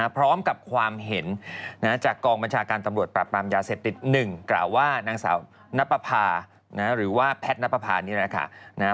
พร้อมกับความเห็นจากกองบัญชาการตำรวจปรับปรามยาเสพติด๑กล่าวว่านางสาวนับประพาหรือว่าแพทย์นับประพานี่แหละค่ะ